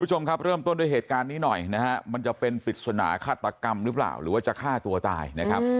คุณผู้ชมครับเริ่มต้นด้วยเหตุการณ์นี้หน่อยนะฮะมันจะเป็นปริศนาฆาตกรรมหรือเปล่าหรือว่าจะฆ่าตัวตายนะครับ